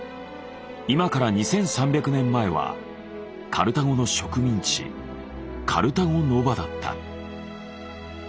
今から２，３００年前はカルタゴの植民地カルタゴ・ノヴァだった。